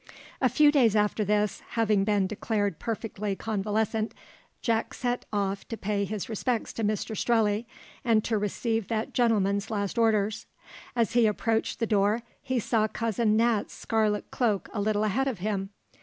A few days after this, having been declared perfectly convalescent, Jack set off to pay his respects to Mr Strelley, and to receive that gentleman's last orders. As he approached the door, he saw Cousin Nat's scarlet cloak a little ahead of him.